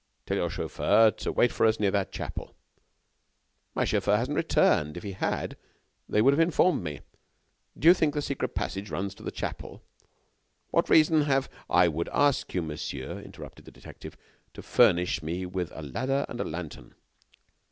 "Tell your chauffer to wait for us near that chapel." "My chauffer hasn't returned. If he had, they would have informed me. Do you think the secret passage runs to the chapel? What reason have " "I would ask you, monsieur," interrupted the detective, "to furnish me with a ladder and a lantern."